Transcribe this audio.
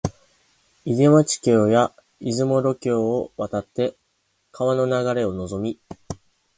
出町橋や出雲路橋を渡って川の流れをのぞみ、